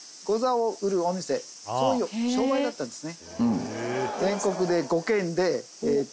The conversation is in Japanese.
そういう商売だったんですね。